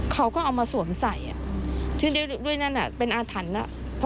เขาก็เอามาสวมใส่ซึ่งด้วยนั่นเป็นอาถรรพ์